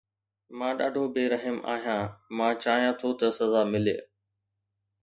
مان ڏاڍو بي رحم آهيان، مان چاهيان ٿو ته سزا ملي